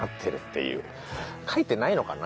書いてないのかな？